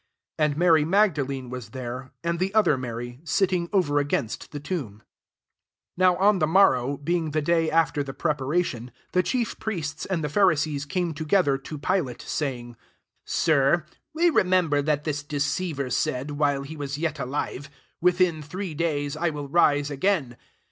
61 And Mary Magdalene was there, and the other Mary ; sitting over against the tomb. n MATTHEW XXVIIL 62 NOW on the morrow, being the day after the prepara tion, the chief priests and the Pharisees came together to Pi late, 63 saying, " Sir, we re member that this deceiver said, while he was yet alive, « Within three days I will rise again.'